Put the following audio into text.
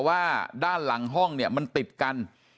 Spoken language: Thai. ว่าด้านหลังห้องเนี่ยมันติดกัน